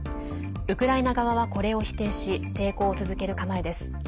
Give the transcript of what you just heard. ウクライナ側は、これを否定し抵抗を続ける構えです。